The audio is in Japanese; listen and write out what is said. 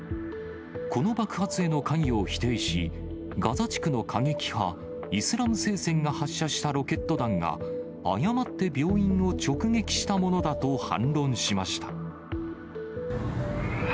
この爆発への関与を否定し、ガザ地区の過激派、イスラム聖戦が発車したロケット弾が、誤って病院を直撃したものだと反論しました。